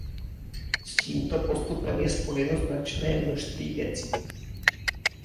S tímto postupem je spojeno značné množství věcí.